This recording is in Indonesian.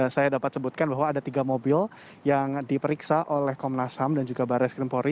saya dapat sebutkan bahwa ada tiga mobil yang diperiksa oleh komnas ham dan juga baris krimpori